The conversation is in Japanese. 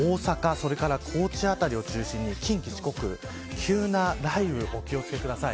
それから高知辺りを中心に近畿、四国急な雷雨にお気を付けください。